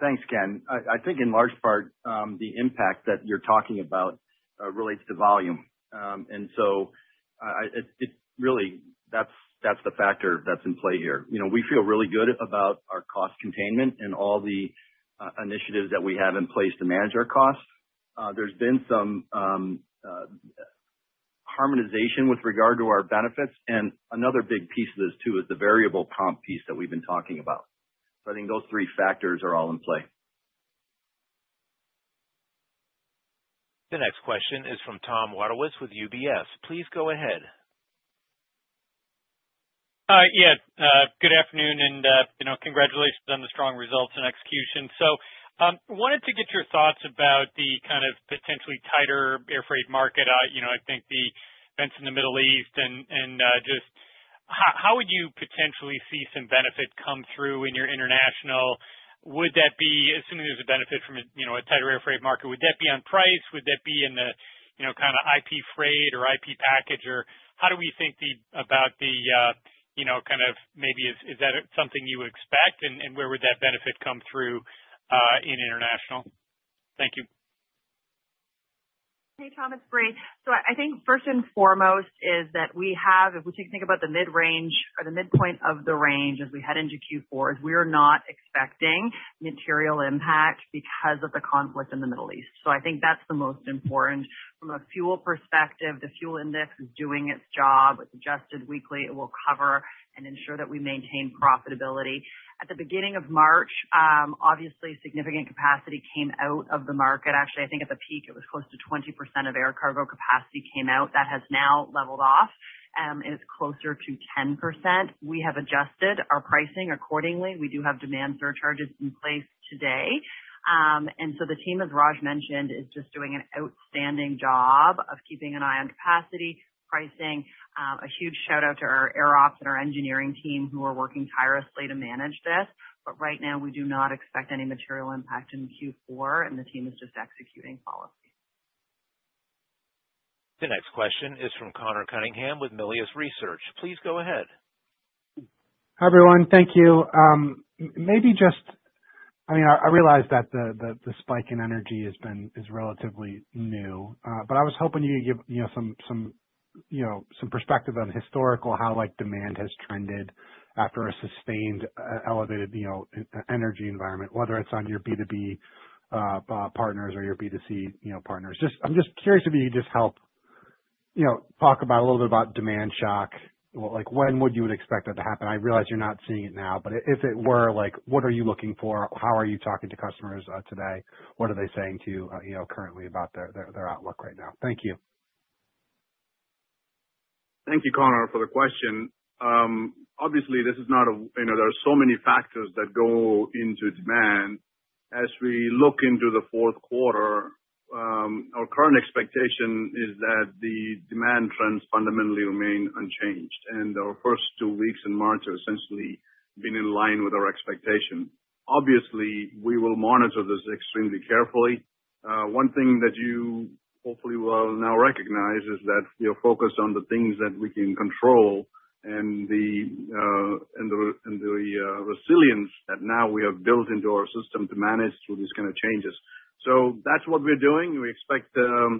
Thanks, Ken. I think in large part the impact that you're talking about relates to volume. That's the factor that's in play here. You know, we feel really good about our cost containment and all the initiatives that we have in place to manage our costs. There's been some harmonization with regard to our benefits. Another big piece of this too is the variable comp piece that we've been talking about. I think those three factors are all in play. The next question is from Tom Wadewitz with UBS. Please go ahead. Good afternoon and you know, congratulations on the strong results and execution. Wanted to get your thoughts about the kind of potentially tighter air freight market. I think the events in the Middle East and just how would you potentially see some benefit come through in your international. Would that be, assuming there's a benefit from a tighter air freight market, would that be on price? Would that be in the IP freight or IP package? Or how do we think about, you know, maybe. Is that something you would expect and where would that benefit come through in international? Thank you. Hey, Tom, it's Brie. I think first and foremost is that we have, if we can think about the mid-range or the midpoint of the range as we head into Q4, is we are not expecting material impact because of the conflict in the Middle East. I think that's the most important. From a fuel perspective, the fuel index is doing its job. It's adjusted weekly. It will cover and ensure that we maintain profitability. At the beginning of March, obviously significant capacity came out of the market. Actually, I think at the peak, it was close to 20% of air cargo capacity came out. That has now leveled off, and it's closer to 10%. We have adjusted our pricing accordingly. We do have demand surcharges in place today. The team, as Raj mentioned, is just doing an outstanding job of keeping an eye on capacity, pricing. A huge shout-out to our air ops and our engineering team who are working tirelessly to manage this. Right now we do not expect any material impact in Q4, and the team is just executing policy. The next question is from Conor Cunningham with Melius Research. Please go ahead. Hi, everyone. Thank you. I mean, I realize that the spike in energy is relatively new, but I was hoping you could give, you know, some perspective on historical, how like demand has trended after a sustained elevated, you know, energy environment, whether it's on your B2B partners or your B2C, you know, partners. I'm curious if you could help, you know, talk about a little bit about demand shock. Like, when would you expect that to happen? I realize you're not seeing it now, but if it were, like, what are you looking for? How are you talking to customers today? What are they saying to you know, currently about their outlook right now? Thank you. Thank you, Conor, for the question. Obviously, you know, there are so many factors that go into demand. As we look into the fourth quarter, our current expectation is that the demand trends fundamentally remain unchanged, and our first two weeks in March have essentially been in line with our expectation. Obviously, we will monitor this extremely carefully. One thing that you hopefully will now recognize is that we are focused on the things that we can control and the resilience that now we have built into our system to manage through these kind of changes. That's what we're doing. We expect the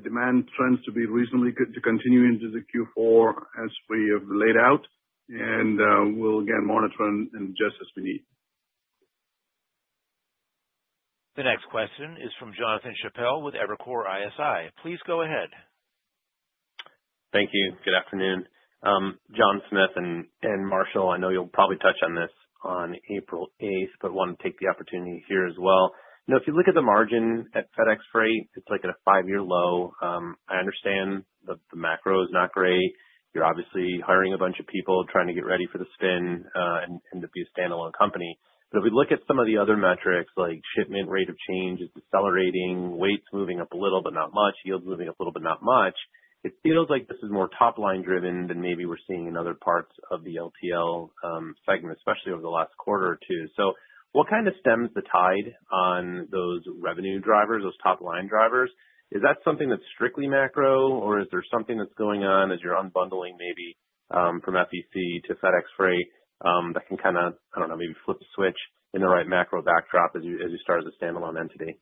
demand trends to be reasonably good to continue into the Q4 as we have laid out, and we'll again monitor and adjust as we need. The next question is from Jonathan Chappell with Evercore ISI. Please go ahead. Thank you. Good afternoon. John Smith and Marshall, I know you'll probably touch on this on April 8, but wanna take the opportunity here as well. You know, if you look at the margin at FedEx Freight, it's like at a five-year low. I understand the macro is not great. You're obviously hiring a bunch of people, trying to get ready for the spin and to be a standalone company. If we look at some of the other metrics, like shipment rate of change is decelerating, weight's moving up a little, but not much. Yield's moving up a little, but not much. It feels like this is more top-line driven than maybe we're seeing in other parts of the LTL segment, especially over the last quarter or two. What can stem the tide on those revenue drivers, those top-line drivers? Is that something that's strictly macro, or is there something that's going on as you're unbundling maybe from FEC to FedEx Freight that can kinda, I don't know, maybe flip the switch in the right macro backdrop as you start as a standalone entity?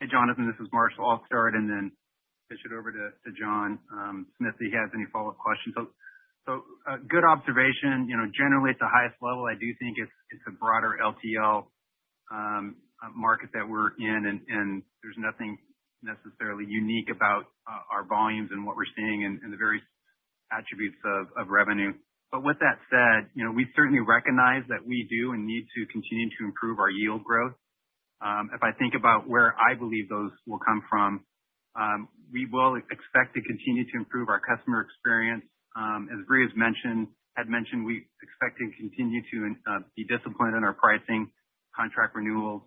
Hey, Jonathan, this is Marshall. I'll start and then pitch it over to John Smith, if he has any follow-up questions. A good observation. You know, generally, at the highest level, I do think it's a broader LTL market that we're in, and there's nothing necessarily unique about our volumes and what we're seeing in the very attributes of revenue. But with that said, you know, we certainly recognize that we do and need to continue to improve our yield growth. If I think about where I believe those will come from, we will expect to continue to improve our customer experience. As Ray has mentioned, we expect to continue to be disciplined in our pricing contract renewals.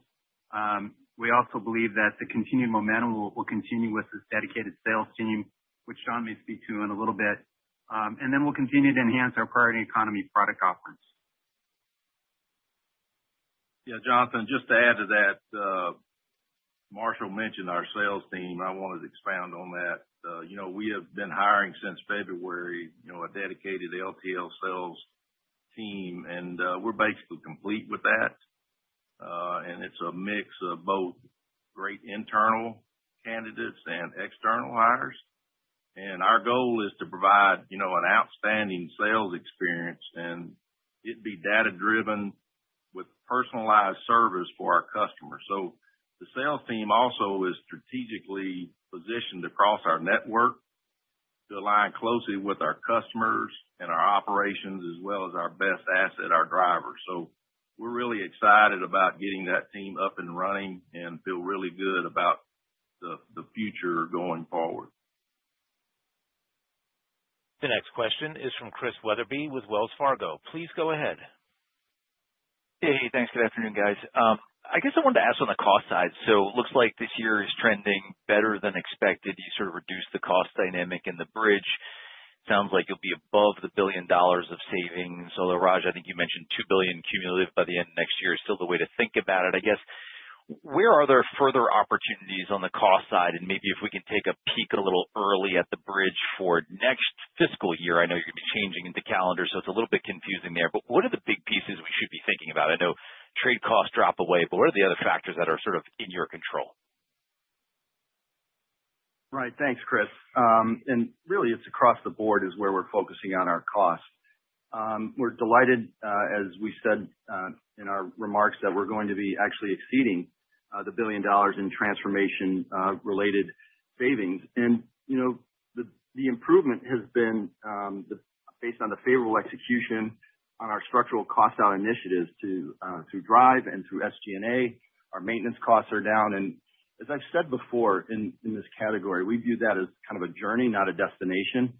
We also believe that the continued momentum will continue with this dedicated sales team, which John may speak to in a little bit. We'll continue to enhance our priority economy product offerings. Yeah. Jonathan, just to add to that, Marshall mentioned our sales team. I wanna expound on that. You know, we have been hiring since February, you know, a dedicated LTL sales team, and we're basically complete with that. And it's a mix of both great internal candidates and external hires. Our goal is to provide, you know, an outstanding sales experience, and it'd be data driven with personalized service for our customers. The sales team also is strategically positioned across our network to align closely with our customers and our operations as well as our best asset, our drivers. We're really excited about getting that team up and running and feel really good about the future going forward. The next question is from Chris Wetherbee with Wells Fargo. Please go ahead. Hey. Thanks. Good afternoon, guys. I guess I wanted to ask on the cost side. Looks like this year is trending better than expected. You sort of reduced the cost dynamic in the Bridge. Sounds like you'll be above the $1 billion of savings. Although Raj, I think you mentioned $2 billion cumulative by the end of next year is still the way to think about it. I guess, where are there further opportunities on the cost side? Maybe if we can take a peek a little early at the Bridge for next fiscal year. I know you're gonna be changing into calendar, so it's a little bit confusing there. What are the big pieces we should be thinking about? I know trade costs drop away, but what are the other factors that are sort of in your control? Right. Thanks, Chris. Really, it's across the board is where we're focusing on our costs. We're delighted, as we said, in our remarks, that we're going to be actually exceeding $1 billion in transformation-related savings. You know, the improvement has been based on the favorable execution on our structural cost-out initiatives to drive and through SG&A. Our maintenance costs are down. As I've said before in this category, we view that as kind of a journey, not a destination.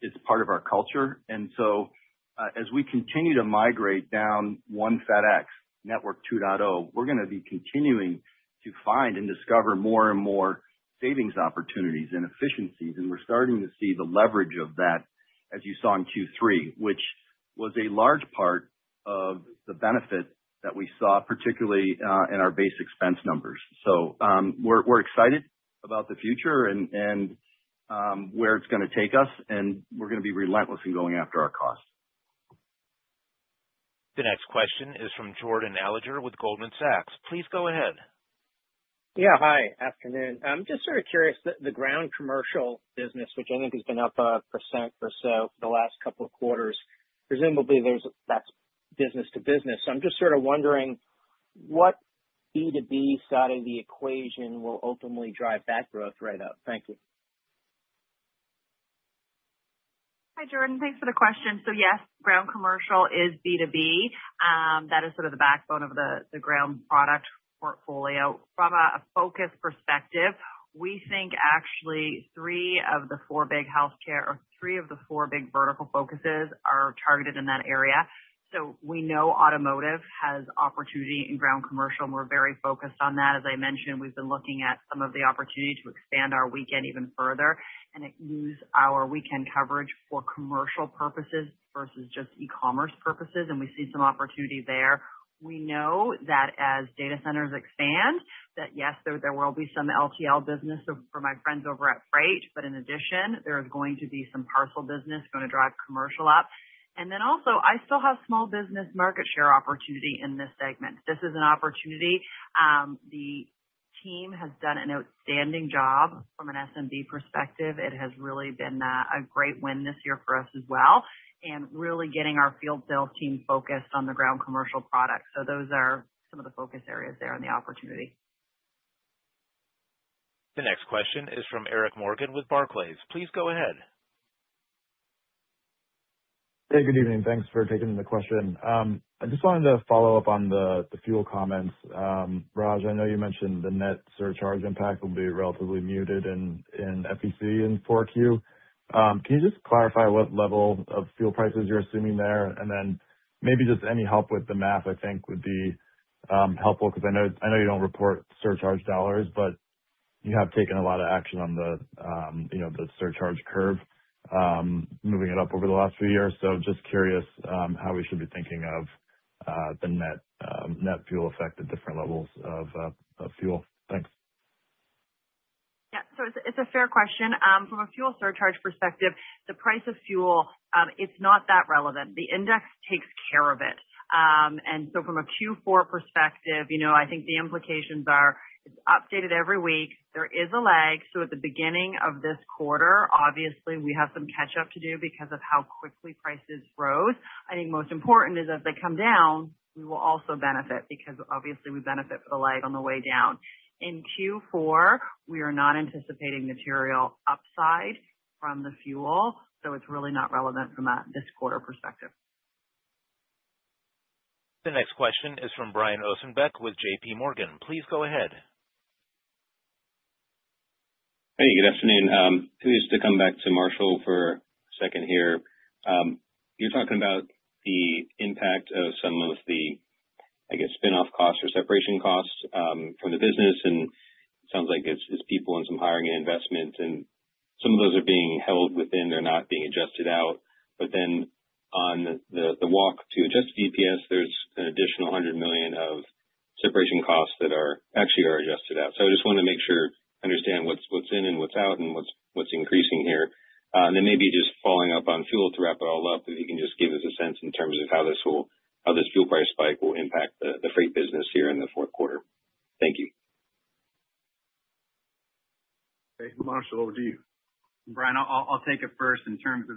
It's part of our culture. As we continue to migrate down One FedEx Network 2.0, we're gonna be continuing to find and discover more and more savings opportunities and efficiencies. We're starting to see the leverage of that, as you saw in Q3, which was a large part of the benefit that we saw, particularly in our base expense numbers. We're excited about the future and where it's gonna take us, and we're gonna be relentless in going after our costs. The next question is from Jordan Alliger with Goldman Sachs. Please go ahead. Yeah. Hi. Afternoon. I'm just sort of curious, the ground commercial business, which I think has been up 1% or so for the last couple of quarters. Presumably, that's business to business. I'm just sort of wondering what B2B side of the equation will ultimately drive that growth right up. Thank you. Hi, Jordan. Thanks for the question. Yes, ground commercial is B2B. That is sort of the backbone of the ground product portfolio. From a focus perspective, we think actually three of the four big vertical focuses are targeted in that area. We know automotive has opportunity in ground commercial, and we're very focused on that. As I mentioned, we've been looking at some of the opportunity to expand our weekend even further and use our weekend coverage for commercial purposes versus just e-commerce purposes, and we see some opportunity there. We know that as data centers expand, that yes, there will be some LTL business for my friends over at Freight, but in addition, there is going to be some parcel business gonna drive commercial up. Then also, I still have small business market share opportunity in this segment. This is an opportunity. The team has done an outstanding job from an SMB perspective. It has really been a great win this year for us as well and really getting our field sales team focused on the ground commercial products. Those are some of the focus areas there and the opportunity. The next question is from Eric Morgan with Barclays. Please go ahead. Hey, good evening. Thanks for taking the question. I just wanted to follow up on the fuel comments. Raj, I know you mentioned the net surcharge impact will be relatively muted in FPC in 4Q. Can you just clarify what level of fuel prices you're assuming there? Maybe just any help with the math, I think would be helpful because I know you don't report surcharge dollars, but you have taken a lot of action on the surcharge curve moving it up over the last few years. Just curious how we should be thinking of the net fuel effect at different levels of fuel. Thanks. Yeah. It's a fair question. From a fuel surcharge perspective, the price of fuel, it's not that relevant. The index takes care of it. From a Q4 perspective, you know, I think the implications are it's updated every week. There is a lag. At the beginning of this quarter, obviously we have some catch up to do because of how quickly prices rose. I think most important is as they come down, we will also benefit because obviously we benefit from the lag on the way down. In Q4, we are not anticipating material upside from the fuel, so it's really not relevant from this quarter perspective. The next question is from Brian Ossenbeck with JPMorgan. Please go ahead. Hey, good afternoon. Pleased to come back to Marshall for a second here. You're talking about the impact of some of the, I guess, spin-off costs or separation costs from the business. It sounds like it's people and some hiring and investments and some of those are being held within, they're not being adjusted out. Then on the walk to adjust DPS, there's an additional $100 million of separation costs that are actually adjusted out. I just wanna make sure I understand what's in and what's out and what's increasing here. Then maybe just following up on fuel to wrap it all up, if you can just give us a sense in terms of how this fuel price spike will impact the freight business here in the fourth quarter. Thank you. Okay, Marshall, over to you. Brian, I'll take it first in terms of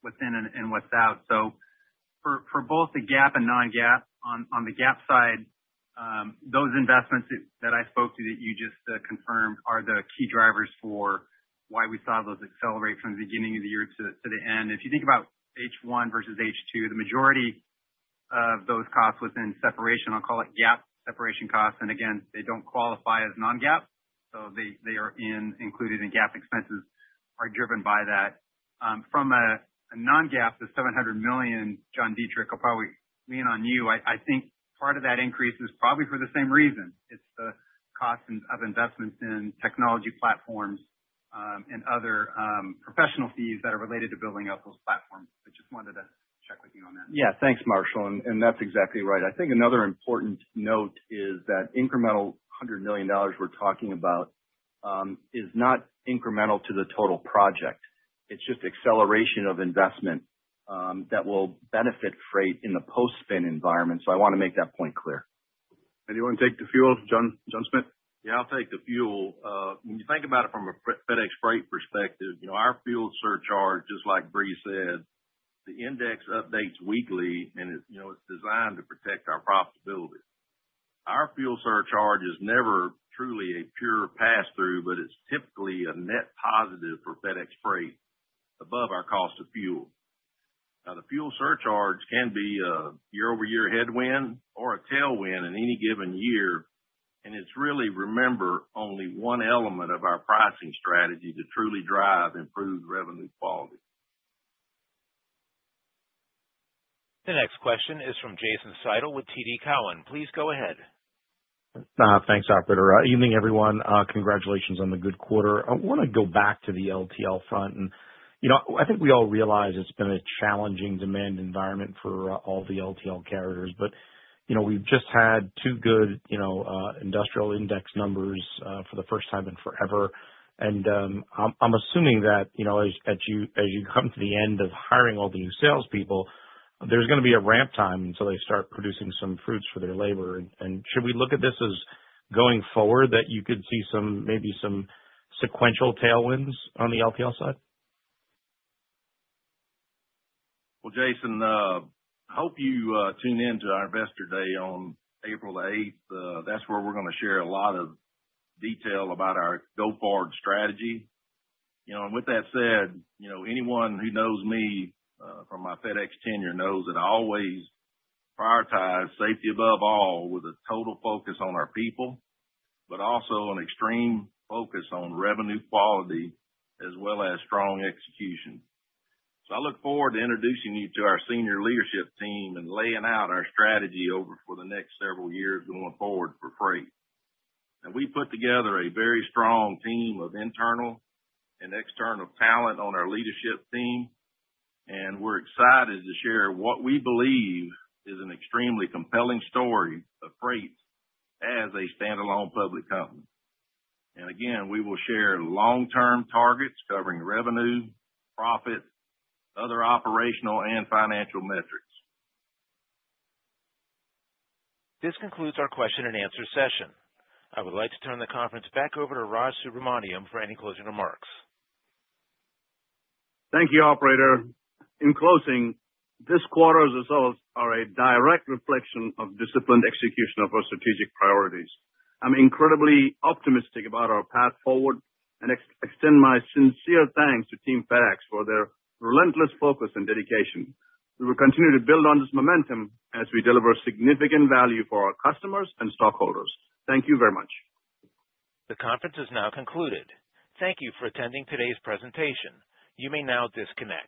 what's in and what's out. For both the GAAP and non-GAAP on the GAAP side, those investments that I spoke to that you just confirmed are the key drivers for why we saw those accelerate from the beginning of the year to the end. If you think about H1 versus H2, the majority of those costs within separation, I'll call it GAAP separation costs. Again, they don't qualify as non-GAAP, so they are included in GAAP expenses are driven by that. From a non-GAAP, the $700 million, John Dietrich, I'll probably lean on you. I think part of that increase is probably for the same reason. It's the cost of investments in technology platforms and other professional fees that are related to building out those platforms. I just wanted to check with you on that. Yeah. Thanks, Marshall. That's exactly right. I think another important note is that incremental $100 million we're talking about is not incremental to the total project. It's just acceleration of investment that will benefit freight in the post-spin environment. I wanna make that point clear. Anyone take the fuel? John Smith? Yeah, I'll take the fuel. When you think about it from a FedEx Freight perspective, you know, our fuel surcharge, just like Brie said, the index updates weekly, and, you know, it's designed to protect our profitability. Our fuel surcharge is never truly a pure pass-through, but it's typically a net positive for FedEx Freight above our cost of fuel. Now, the fuel surcharge can be a year-over-year headwind or a tailwind in any given year, and it's really, remember, only one element of our pricing strategy to truly drive improved revenue quality. The next question is from Jason Seidl with TD Cowen. Please go ahead. Thanks, operator. Evening, everyone. Congratulations on the good quarter. I wanna go back to the LTL front. You know, I think we all realize it's been a challenging demand environment for all the LTL carriers. You know, we've just had two good, you know, industrial index numbers, for the first time in forever. I'm assuming that, you know, as you come to the end of hiring all the new salespeople, there's gonna be a ramp time until they start producing some fruits of their labor. Should we look at this as going forward that you could see some, maybe some sequential tailwinds on the LTL side? Well, Jason, hope you tune in to our Investor Day on April 8th. That's where we're gonna share a lot of detail about our Go Forward strategy. You know, and with that said, you know, anyone who knows me from my FedEx tenure knows that I always prioritize safety above all with a total focus on our people, but also an extreme focus on revenue quality as well as strong execution. I look forward to introducing you to our senior leadership team and laying out our strategy over for the next several years going forward for freight. We put together a very strong team of internal and external talent on our leadership team, and we're excited to share what we believe is an extremely compelling story of freight as a standalone public company. Again, we will share long-term targets covering revenue, profit, other operational and financial metrics. This concludes our question and answer session. I would like to turn the conference back over to Raj Subramaniam for any closing remarks. Thank you, operator. In closing, this quarter's results are a direct reflection of disciplined execution of our strategic priorities. I'm incredibly optimistic about our path forward and extend my sincere thanks to Team FedEx for their relentless focus and dedication. We will continue to build on this momentum as we deliver significant value for our customers and stockholders. Thank you very much. The conference is now concluded. Thank you for attending today's presentation. You may now disconnect.